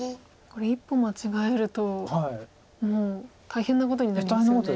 これ一歩間違えるともう大変なことになりますよね。